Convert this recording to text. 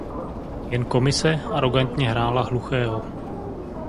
Jen Komise arogantně hrála hluchého.